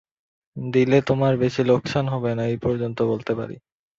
দিলে তোমার বেশি লোকসান হবে না, এই পর্যন্ত বলতে পারি।